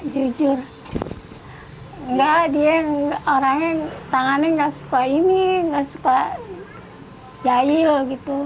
jujur enggak dia orangnya yang tangannya nggak suka ini nggak suka jahil gitu